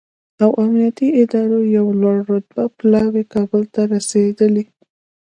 او امنیتي ادارو یو لوړ رتبه پلاوی کابل ته رسېدلی